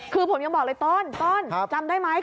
คือผมยังบอกเลยต้นจำได้ไหม